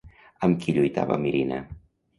Amb qui lluitava Mirina?